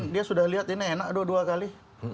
dia sudah lihat ini enak dua kali